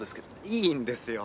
いいんですよ。